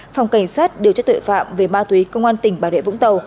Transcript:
phòng cảnh sát điều tra tuệ phạm về ma túy công an tỉnh bà rịa vũng tàu